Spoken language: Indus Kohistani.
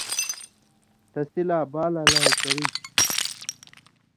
تسی لا بال الاؤ کرُژیۡ تھی۔